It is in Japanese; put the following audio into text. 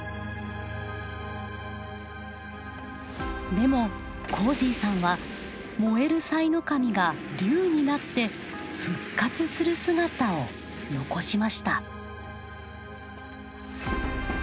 でもこーじぃさんは燃えるさいの神が龍になって復活する姿を残しました。